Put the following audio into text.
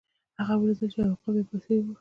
هغه ولیدل چې یو عقاب یو پسه یووړ.